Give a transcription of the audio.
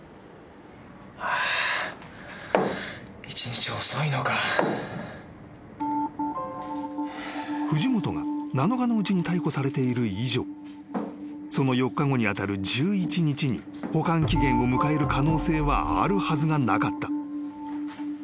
［しかし］［藤本が７日のうちに逮捕されている以上その４日後に当たる１１日に保管期限を迎える可能性はあるはずがなかった］